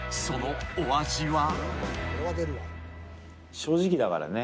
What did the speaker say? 正直だからね。